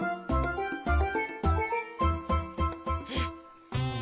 うん。